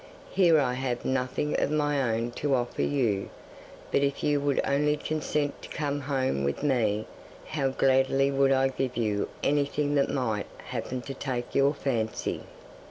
Here I have nothing of my own to offer you, but if you would only consent to come home with me, how gladly would I give you anything that might happen to take your fancy.